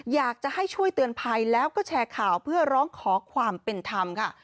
อยากจะให้ช่วยเตือนภัยแล้วก็แชร์ข่าวเพื่อร้องขอความเป็นธรรมค่ะ